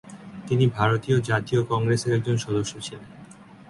তিনি ভারতীয় জাতীয় কংগ্রেসের একজন সদস্য ছিলেন।